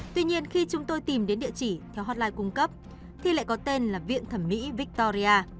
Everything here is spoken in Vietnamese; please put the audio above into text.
tuy nhiên khi chúng tôi tìm đến địa chỉ theo hotline cung cấp thì lại có tên là viện thẩm mỹ victoria